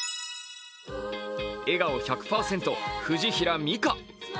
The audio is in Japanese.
笑顔１００％、藤平美香。